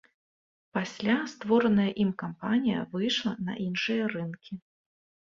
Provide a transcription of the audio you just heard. Пасля створаная ім кампанія выйшла на іншыя рынкі.